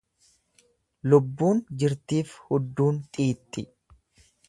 Lubbuun jirtiif hudduun xiixxi.